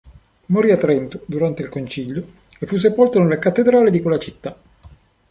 Morì a Trento, durante il concilio, e fu sepolto nella cattedrale di quella città.